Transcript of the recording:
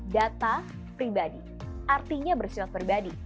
data pribadi artinya bersifat pribadi